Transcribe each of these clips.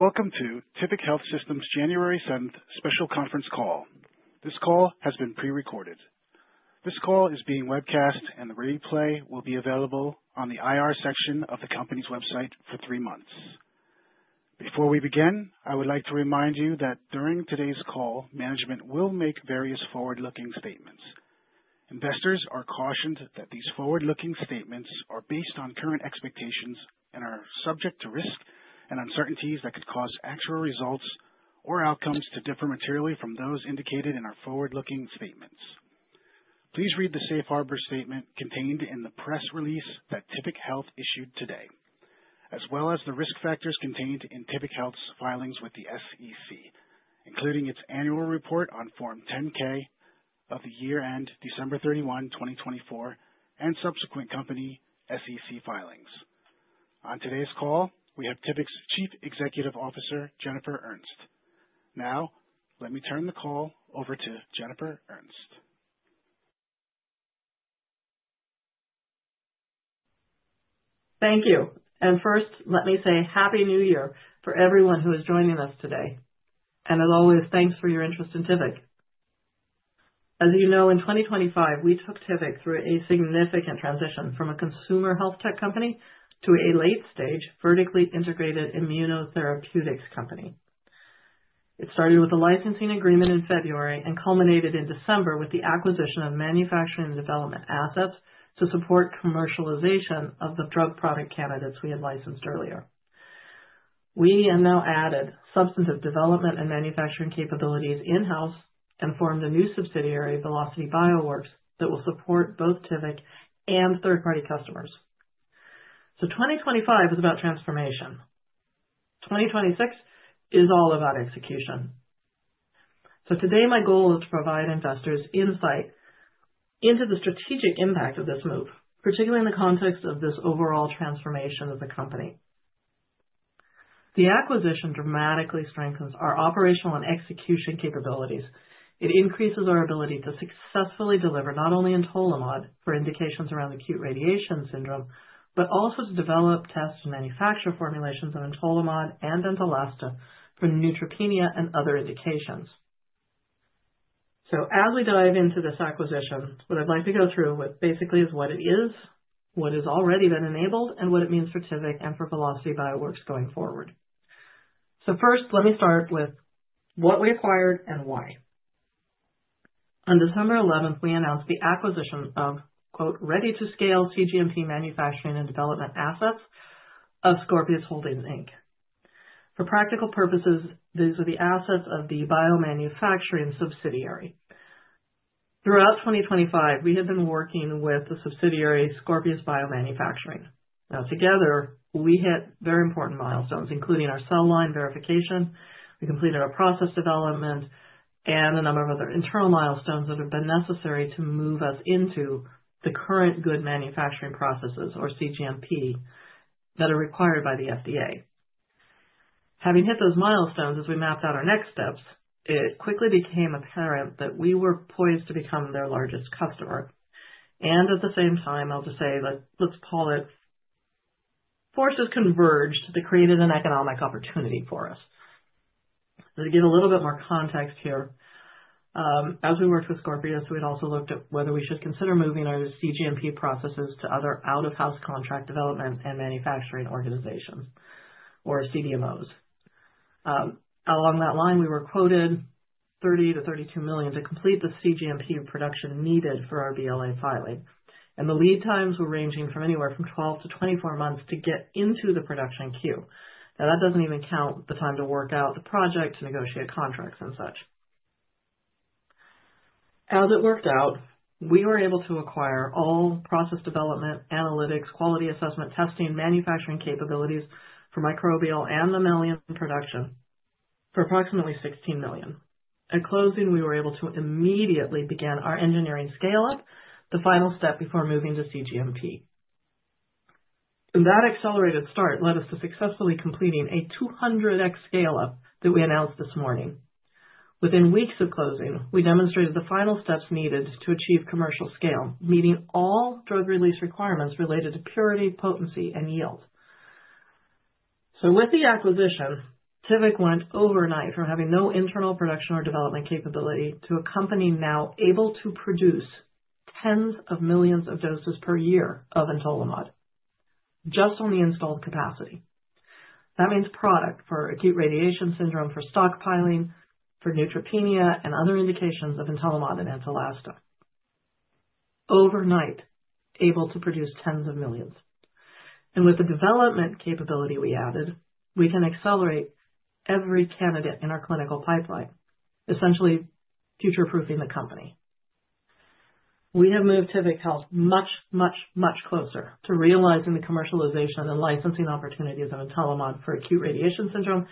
Welcome to Tivic Health Systems January 7 special conference call. This call has been pre-recorded. This call is being webcast and the replay will be available on the IR section of the company's website for three months. Before we begin, I would like to remind you that during today's call, management will make various forward-looking statements. Investors are cautioned that these forward-looking statements are based on current expectations and are subject to risk and uncertainties that could cause actual results or outcomes to differ materially from those indicated in our forward-looking statements. Please read the safe harbor statement contained in the press release that Tivic Health issued today, as well as the risk factors contained in Tivic Health's filings with the SEC, including its annual report on Form 10-K for the year-end December 31, 2024, and subsequent company SEC filings. On today's call, we have Tivic's Chief Executive Officer, Jennifer Ernst. Now let me turn the call over to Jennifer Ernst. Thank you. First, let me say happy New Year for everyone who is joining us today. As always, thanks for your interest in Tivic. As you know, in 2025, we took Tivic through a significant transition from a consumer health tech company to a late-stage, vertically integrated immunotherapeutics company. It started with a licensing agreement in February and culminated in December with the acquisition of manufacturing and development assets to support commercialization of the drug product candidates we had licensed earlier. We have now added substantive development and manufacturing capabilities in-house and formed a new subsidiary, Velocity Bioworks, that will support both Tivic and third-party customers. 2025 is about transformation. 2026 is all about execution. Today my goal is to provide investors insight into the strategic impact of this move, particularly in the context of this overall transformation of the company. The acquisition dramatically strengthens our operational and execution capabilities. It increases our ability to successfully deliver not only Entolimod for indications around Acute Radiation Syndrome, but also to develop, test, and manufacture formulations of Entolimod and Entolasta for neutropenia and other indications. As we dive into this acquisition, what I'd like to go through, what basically is what it is, what has already been enabled, and what it means for Tivic and for Velocity Bioworks going forward. First, let me start with what we acquired and why. On December 11, we announced the acquisition of quote, "ready-to-scale cGMP manufacturing and development assets of Scorpius Holdings, Inc." For practical purposes, these are the assets of the biomanufacturing subsidiary. Throughout 2025, we have been working with the subsidiary, Scorpius BioManufacturing. Now together, we hit very important milestones, including our cell line verification. We completed our process development and a number of other internal milestones that have been necessary to move us into the current good manufacturing processes or cGMP that are required by the FDA. Having hit those milestones as we mapped out our next steps, it quickly became apparent that we were poised to become their largest customer. At the same time, I'll just say, like, let's call it, forces converged that created an economic opportunity for us. To get a little bit more context here, as we worked with Scorpius, we'd also looked at whether we should consider moving our cGMP processes to other out-of-house contract development and manufacturing organizations or CDMOs. Along that line, we were quoted $30 million-$32 million to complete the cGMP production needed for our BLA filing, and the lead times were ranging from anywhere from 12 months-24 months to get into the production queue. Now, that doesn't even count the time to work out the project, to negotiate contracts and such. As it worked out, we were able to acquire all process development, analytics, quality assessment, testing, manufacturing capabilities for microbial and mammalian production for approximately $16 million. At closing, we were able to immediately begin our engineering scale-up, the final step before moving to cGMP. That accelerated start led us to successfully completing a 200x scale-up that we announced this morning. Within weeks of closing, we demonstrated the final steps needed to achieve commercial scale, meeting all drug release requirements related to purity, potency, and yield. With the acquisition, Tivic went overnight from having no internal production or development capability to a company now able to produce tens of millions of doses per year of Entolimod just on the installed capacity. That means product for Acute Radiation Syndrome, for stockpiling, for neutropenia, and other indications of Entolimod and Entolasta. Overnight, able to produce tens of millions. With the development capability we added, we can accelerate every candidate in our clinical pipeline, essentially future-proofing the company. We have moved Tivic Health much, much, much closer to realizing the commercialization and licensing opportunities of Entolimod for Acute Radiation Syndrome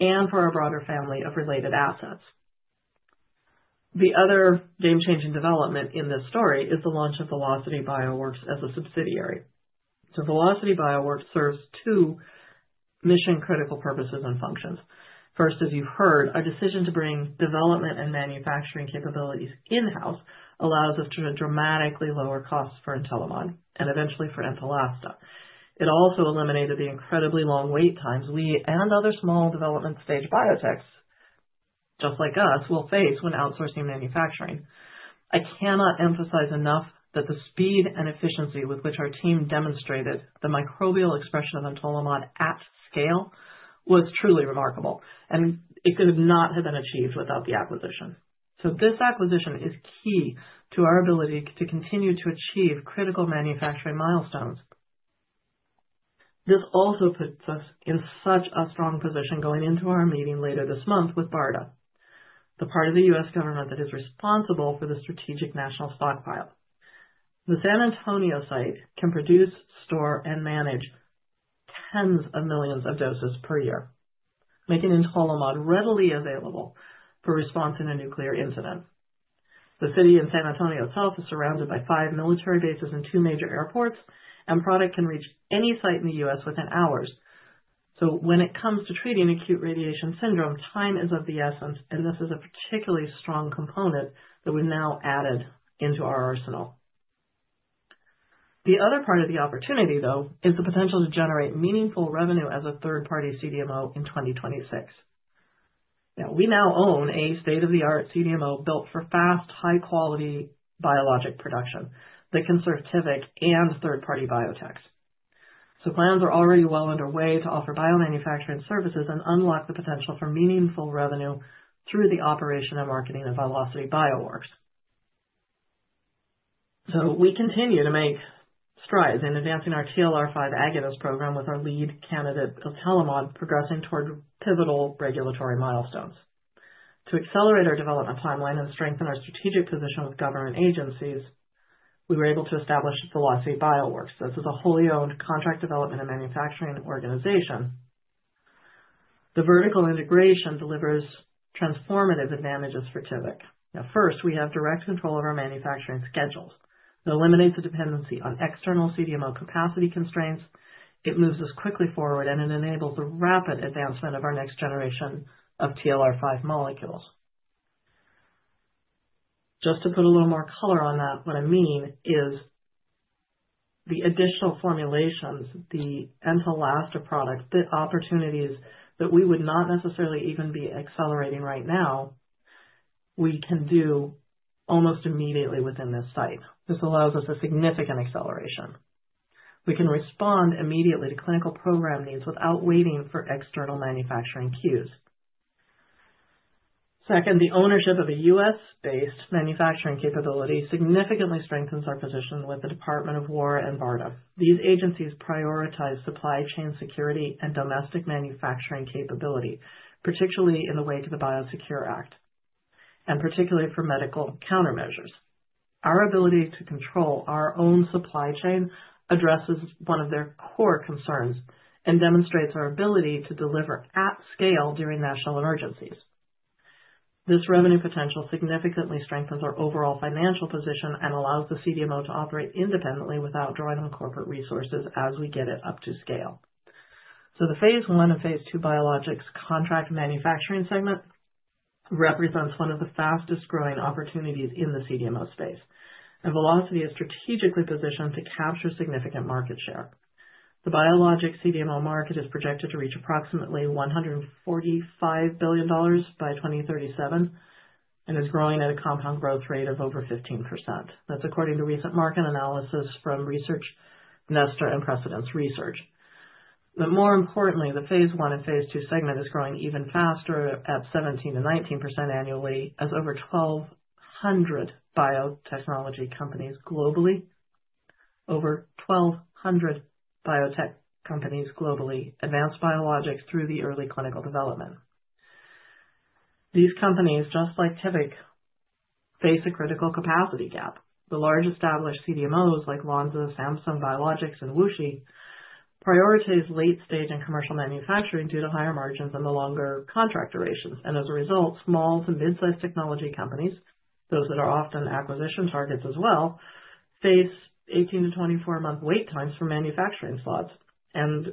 and for our broader family of related assets. The other game-changing development in this story is the launch of Velocity Bioworks as a subsidiary. Velocity Bioworks serves two mission-critical purposes and functions. First, as you heard, our decision to bring development and manufacturing capabilities in-house allows us to dramatically lower costs for Entolimod and eventually for Entolasta. It also eliminated the incredibly long wait times we and other small development stage biotechs just like us will face when outsourcing manufacturing. I cannot emphasize enough that the speed and efficiency with which our team demonstrated the microbial expression of Entolimod at scale was truly remarkable, and it could not have been achieved without the acquisition. This acquisition is key to our ability to continue to achieve critical manufacturing milestones. This also puts us in such a strong position going into our meeting later this month with BARDA, the part of the U.S. government that is responsible for the Strategic National Stockpile. The San Antonio site can produce, store, and manage tens of millions of doses per year, making Entolimod readily available for response in a nuclear incident. The city of San Antonio itself is surrounded by five military bases and two major airports, and product can reach any site in the U.S. within hours. When it comes to treating Acute Radiation Syndrome, time is of the essence, and this is a particularly strong component that we now added into our arsenal. The other part of the opportunity, though, is the potential to generate meaningful revenue as a third-party CDMO in 2026. Now, we own a state-of-the-art CDMO built for fast, high-quality biologic production that can serve Tivic and third-party biotechs. Plans are already well underway to offer biomanufacturing services and unlock the potential for meaningful revenue through the operation and marketing of Velocity Bioworks. We continue to make strides in advancing our TLR5 agonist program with our lead candidate, Entolimod, progressing toward pivotal regulatory milestones. To accelerate our development timeline and strengthen our strategic position with government agencies, we were able to establish Velocity Bioworks. This is a wholly owned contract development and manufacturing organization. The vertical integration delivers transformative advantages for Tivic. Now, first, we have direct control of our manufacturing schedules. It eliminates the dependency on external CDMO capacity constraints. It moves us quickly forward, and it enables a rapid advancement of our next generation of TLR5 molecules. Just to put a little more color on that, what I mean is the additional formulations, the Entolasta products, the opportunities that we would not necessarily even be accelerating right now, we can do almost immediately within this site. This allows us a significant acceleration. We can respond immediately to clinical program needs without waiting for external manufacturing queues. Second, the ownership of a U.S.-based manufacturing capability significantly strengthens our position with the Department of Defense and BARDA. These agencies prioritize supply chain security and domestic manufacturing capability, particularly in the wake of the BIOSECURE Act, and particularly for medical countermeasures. Our ability to control our own supply chain addresses one of their core concerns and demonstrates our ability to deliver at scale during national emergencies. This revenue potential significantly strengthens our overall financial position and allows the CDMO to operate independently without drawing on corporate resources as we get it up to scale. The phase I and phase II biologics contract manufacturing segment represents one of the fastest-growing opportunities in the CDMO space, and Velocity is strategically positioned to capture significant market share. The biologic CDMO market is projected to reach approximately $145 billion by 2037 and is growing at a compound growth rate of over 15%. That's according to recent market analysis from Research Nester and Precedence Research. More importantly, the phase I and phase II segment is growing even faster at 17%-19% annually as over 1,200 biotechnology companies globally, over 1,200 biotech companies globally advance biologics through the early clinical development. These companies, just like Tivic, face a critical capacity gap. The large established CDMOs like Lonza, Samsung Biologics, and WuXi prioritize late-stage and commercial manufacturing due to higher margins and the longer contract durations. As a result, small to mid-sized technology companies, those that are often acquisition targets as well, face 18 month-24 month wait times for manufacturing slots, and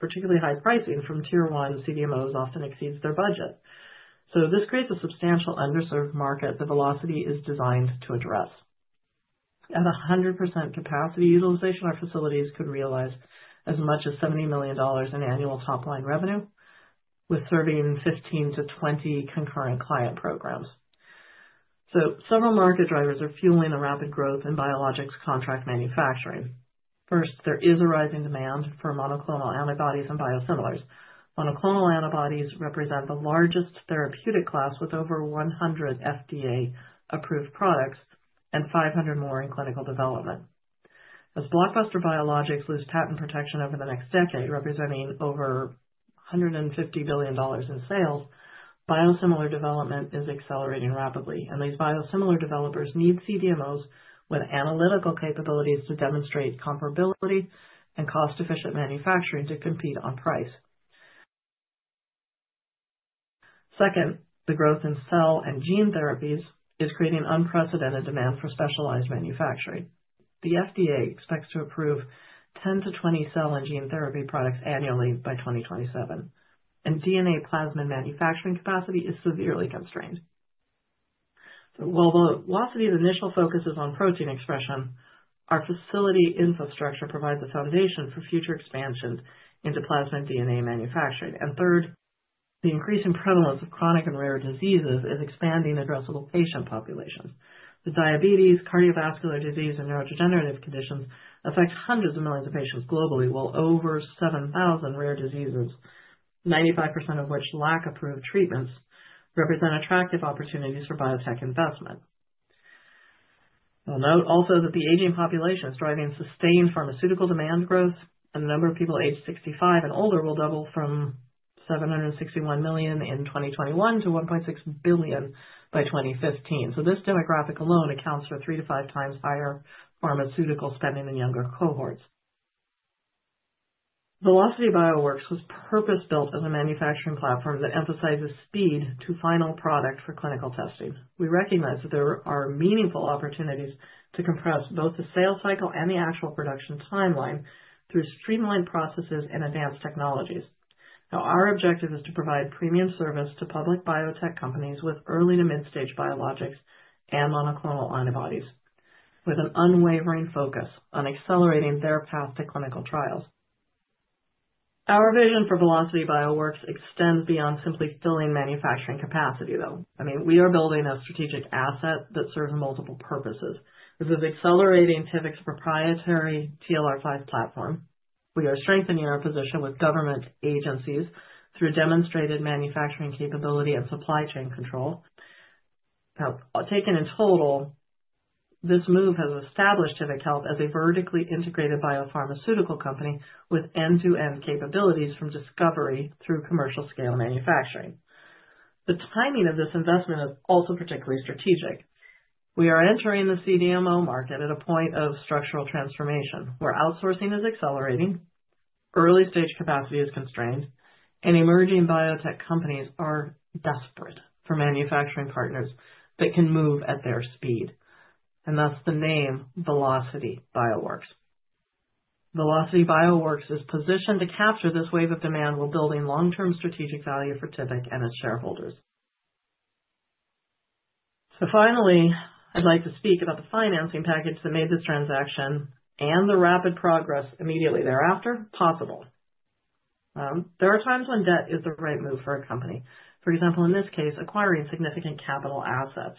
particularly high pricing from tier one CDMOs often exceeds their budget. This creates a substantial underserved market that Velocity is designed to address. At 100% capacity utilization, our facilities could realize as much as $70 million in annual top-line revenue with serving 15-20 concurrent client programs. Several market drivers are fueling a rapid growth in biologics contract manufacturing. First, there is a rising demand for monoclonal antibodies and biosimilars. Monoclonal antibodies represent the largest therapeutic class with over 100 FDA-approved products and 500 more in clinical development. As blockbuster biologics lose patent protection over the next decade, representing over $150 billion in sales, biosimilar development is accelerating rapidly, and these biosimilar developers need CDMOs with analytical capabilities to demonstrate comparability and cost-efficient manufacturing to compete on price. Second, the growth in cell and gene therapies is creating unprecedented demand for specialized manufacturing. The FDA expects to approve 10-20 cell and gene therapy products annually by 2027, and plasmid DNA manufacturing capacity is severely constrained. While Velocity Bioworks's initial focus is on protein expression, our facility infrastructure provides a foundation for future expansions into plasmid DNA manufacturing. Third, the increasing prevalence of chronic and rare diseases is expanding addressable patient populations. The diabetes, cardiovascular disease, and neurodegenerative conditions affect hundreds of millions of patients globally, while over 7,000 rare diseases, 95% of which lack approved treatments, represent attractive opportunities for biotech investment. I'll note also that the aging population is driving sustained pharmaceutical demand growth. The number of people aged 65 and older will double from 761 million in 2021-1.6 billion by 2015. This demographic alone accounts for 3x-5x higher pharmaceutical spending than younger cohorts. Velocity Bioworks was purpose-built as a manufacturing platform that emphasizes speed to final product for clinical testing. We recognize that there are meaningful opportunities to compress both the sales cycle and the actual production timeline through streamlined processes and advanced technologies. Our objective is to provide premium service to public biotech companies with early to mid-stage biologics and monoclonal antibodies with an unwavering focus on accelerating their path to clinical trials. Our vision for Velocity Bioworks extends beyond simply filling manufacturing capacity, though. I mean, we are building a strategic asset that serves multiple purposes. This is accelerating Tivic's proprietary TLR5 platform. We are strengthening our position with government agencies through demonstrated manufacturing capability and supply chain control. Now, taken in total, this move has established Tivic Health as a vertically integrated biopharmaceutical company with end-to-end capabilities from discovery through commercial scale manufacturing. The timing of this investment is also particularly strategic. We are entering the CDMO market at a point of structural transformation where outsourcing is accelerating, early-stage capacity is constrained, and emerging biotech companies are desperate for manufacturing partners that can move at their speed, and thus the name Velocity Bioworks. Velocity Bioworks is positioned to capture this wave of demand while building long-term strategic value for Tivic and its shareholders. Finally, I'd like to speak about the financing package that made this transaction and the rapid progress immediately thereafter possible. There are times when debt is the right move for a company. For example, in this case, acquiring significant capital assets.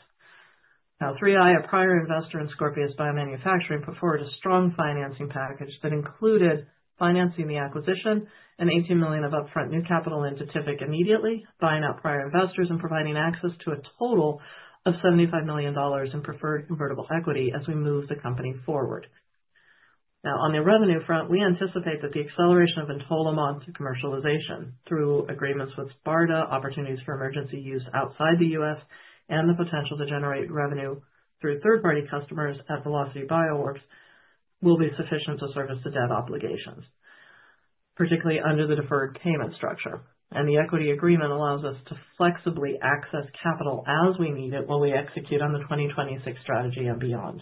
Now, 3i Group, a prior investor in Scorpius BioManufacturing, put forward a strong financing package that included financing the acquisition and $18 million of upfront new capital into Tivic immediately, buying out prior investors and providing access to a total of $75 million in preferred convertible equity as we move the company forward. Now on the revenue front, we anticipate that the acceleration of Entolimod to commercialization through agreements with BARDA, opportunities for emergency use outside the U.S., and the potential to generate revenue through third-party customers at Velocity Bioworks will be sufficient to service the debt obligations, particularly under the deferred payment structure. The equity agreement allows us to flexibly access capital as we need it while we execute on the 2026 strategy and beyond.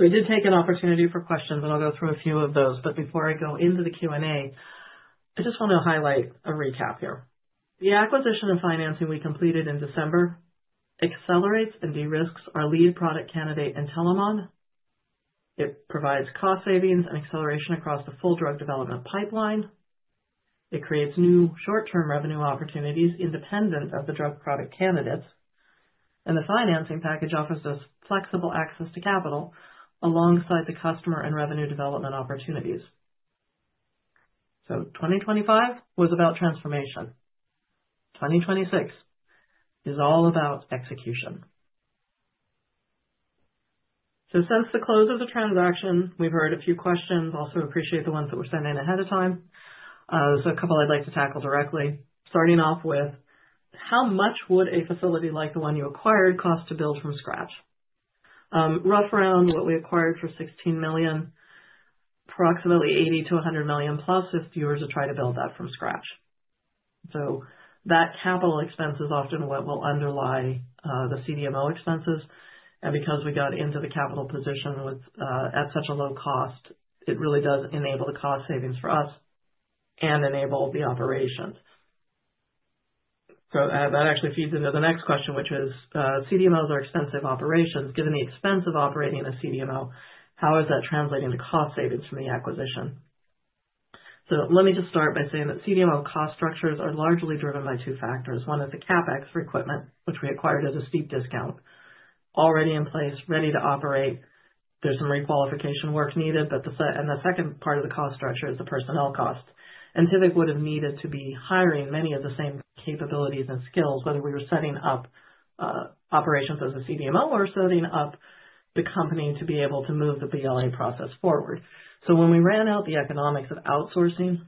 We did take an opportunity for questions, and I'll go through a few of those, but before I go into the Q&A, I just want to highlight a recap here. The acquisition and financing we completed in December accelerates and de-risks our lead product candidate Entolimod. It provides cost savings and acceleration across the full drug development pipeline. It creates new short-term revenue opportunities independent of the drug product candidates. The financing package offers us flexible access to capital alongside the customer and revenue development opportunities. 2025 was about transformation. 2026 is all about execution. Since the close of the transaction, we've heard a few questions. Also appreciate the ones that were sent in ahead of time. There's a couple I'd like to tackle directly. Starting off with how much would a facility like the one you acquired cost to build from scratch? Roughly around what we acquired for $16 million, approximately $80 million-$100 million plus if viewers would try to build that from scratch. That capital expense is often what will underlie the CDMO expenses. Because we got into the capital position with it at such a low cost, it really does enable the cost savings for us and enable the operations. That actually feeds into the next question, which is, CDMOs are extensive operations. Given the expense of operating a CDMO, how is that translating to cost savings from the acquisition? Let me just start by saying that CDMO cost structures are largely driven by two factors. One is the CapEx for equipment, which we acquired at a steep discount already in place, ready to operate. There's some requalification work needed, but the second part of the cost structure is the personnel cost. Tivic would have needed to be hiring many of the same capabilities and skills whether we were setting up operations as a CDMO or setting up the company to be able to move the BLA process forward. When we ran the economics of outsourcing,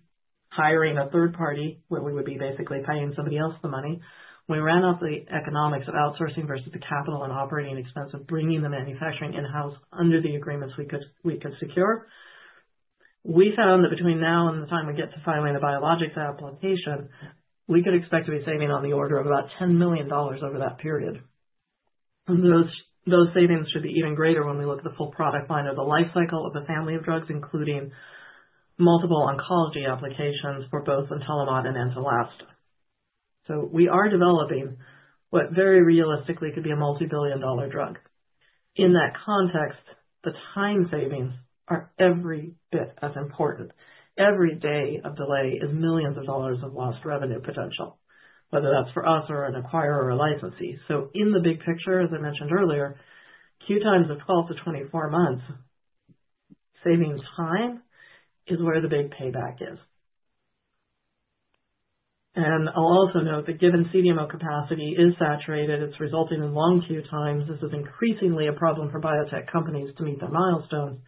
hiring a third party, where we would be basically paying somebody else the money, we ran the economics of outsourcing versus the capital and operating expense of bringing the manufacturing in-house under the agreements we could secure. We found that between now and the time we get to filing a biologics application, we could expect to be saving on the order of about $10 million over that period. Those savings should be even greater when we look at the full product line of the life cycle of the family of drugs, including multiple oncology applications for both Entolimod and Entolasta. We are developing what very realistically could be a multi-billion-dollar drug. In that context, the time savings are every bit as important. Every day of delay is millions of dollars lost revenue potential, whether that's for us or an acquirer or licensee. In the big picture, as I mentioned earlier, queue times of 12 months-24 months, saving time is where the big payback is. I'll also note that given CDMO capacity is saturated, it's resulting in long queue times. This is increasingly a problem for biotech companies to meet their milestones.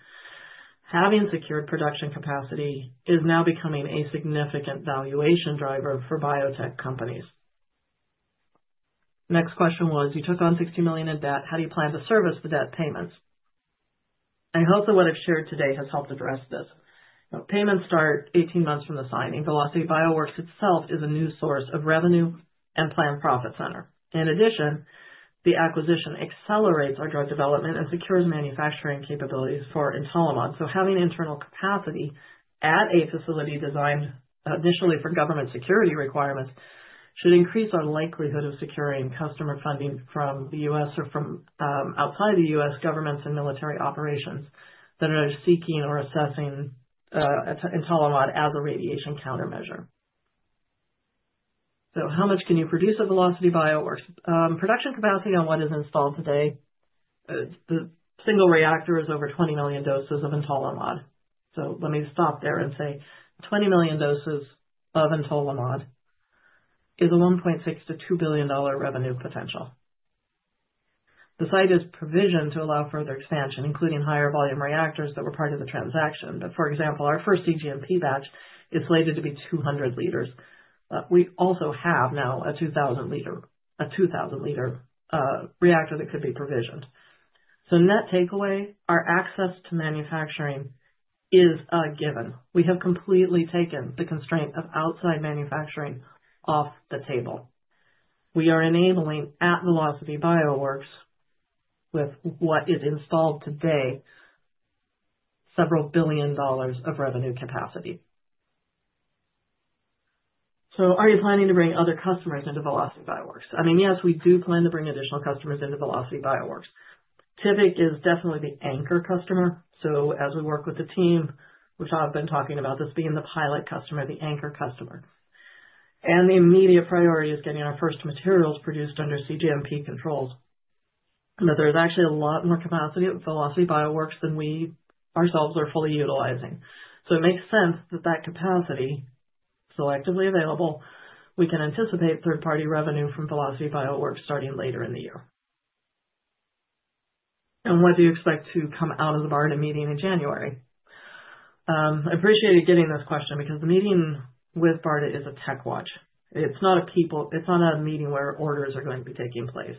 Having secured production capacity is now becoming a significant valuation driver for biotech companies. Next question was, you took on $60 million in debt. How do you plan to service the debt payments? I hope that what I've shared today has helped address this. Payments start 18 months from the signing. Velocity Bioworks itself is a new source of revenue and planned profit center. In addition, the acquisition accelerates our drug development and secures manufacturing capabilities for Entolimod. Having internal capacity at a facility designed initially for government security requirements should increase our likelihood of securing customer funding from the U.S. or from outside the U.S. governments and military operations that are seeking or assessing Entolimod as a radiation countermeasure. How much can you produce at Velocity Bioworks? Production capacity on what is installed today, the single reactor is over 20 million doses of Entolimod.Let me stop there and say 20 million doses of Entolimod is a $1.6 billion-$2 billion revenue potential. The site is provisioned to allow further expansion, including higher volume reactors that were part of the transaction. For example, our first cGMP batch is slated to be 200 liters. We also have now a 2,000-liter reactor that could be provisioned. Net takeaway, our access to manufacturing is a given. We have completely taken the constraint of outside manufacturing off the table. We are enabling at Velocity Bioworks with what is installed today, several billion dollars of revenue capacity. Are you planning to bring other customers into Velocity Bioworks? I mean, yes, we do plan to bring additional customers into Velocity Bioworks. Tivic is definitely the anchor customer. As we work with the team, which I've been talking about this being the pilot customer, the anchor customer. The immediate priority is getting our first materials produced under cGMP controls. Now, there is actually a lot more capacity at Velocity Bioworks than we ourselves are fully utilizing. It makes sense that that capacity selectively available, we can anticipate third-party revenue from Velocity Bioworks starting later in the year. What do you expect to come out of the BARDA meeting in January? I appreciate you getting this question because the meeting with BARDA is a TechWatch. It's not a meeting where orders are going to be taking place.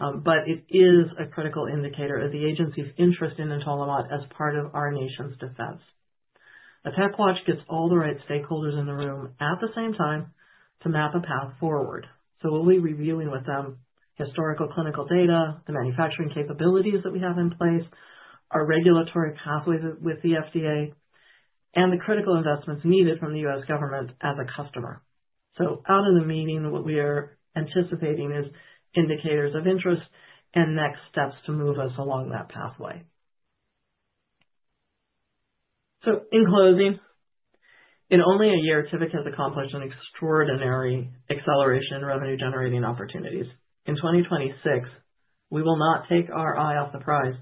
It is a critical indicator of the agency's interest in Entolimod as part of our nation's defense. The TechWatch gets all the right stakeholders in the room at the same time to map a path forward. We'll be reviewing with them historical clinical data, the manufacturing capabilities U.S. government as a customer. Out of the meeting, what we are anticipating is indicators of interest and next steps to move us along that pathway. In closing, in only a year, Tivic has accomplished an extraordinary acceleration in revenue generating opportunities. In 2026, we will not take our eye off the prize.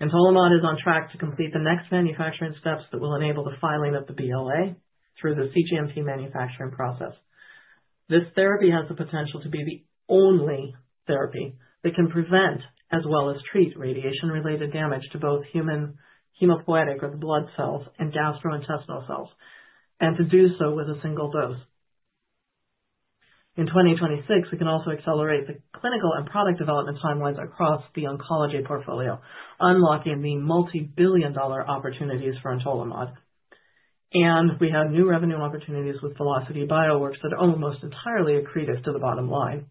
Entolimod is on track to complete the next manufacturing steps that will enable the filing of the BLA through the cGMP manufacturing process. This therapy has the potential to be the only therapy that can prevent as well as treat radiation-related damage to both human hematopoietic, or the blood cells, and gastrointestinal cells, and to do so with a single dose. In 2026, we can also accelerate the clinical and product development timelines across the oncology portfolio, unlocking the multi-billion-dollar opportunities for Entolimod. We have new revenue opportunities with Velocity Bioworks that are almost entirely accretive to the bottom line.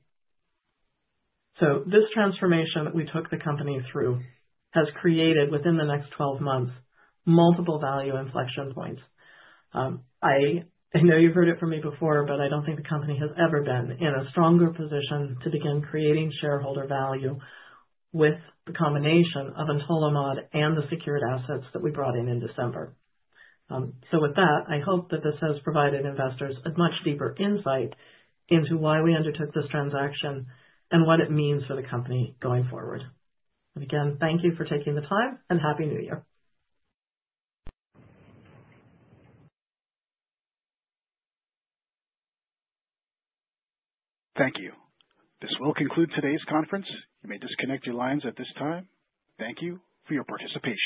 This transformation that we took the company through has created, within the next 12 months, multiple value inflection points. I know you've heard it from me before, but I don't think the company has ever been in a stronger position to begin creating shareholder value with the combination of Entolimod and the secured assets that we brought in December. with that, I hope that this has provided investors a much deeper insight into why we undertook this transaction and what it means for the company going forward. Again, thank you for taking the time, and Happy New Year. Thank you. This will conclude today's conference. You may disconnect your lines at this time. Thank you for your participation.